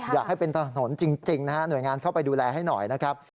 อยากให้เป็นถนนจริงนะฮะหน่วยงานเข้าไปดูแลให้หน่อยนะครับ